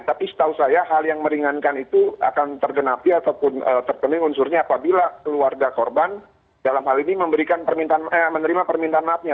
tapi setahu saya hal yang meringankan itu akan tergenapi ataupun terpenuhi unsurnya apabila keluarga korban dalam hal ini menerima permintaan maafnya